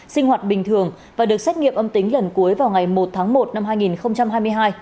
sinh hoạt bình thường và được xét nghiệm âm tính lần cuối vào ngày một tháng một năm hai nghìn hai mươi hai